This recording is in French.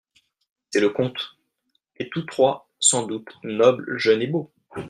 C’est le compte ! et tous trois, sans doute, nobles, jeunes et beaux ?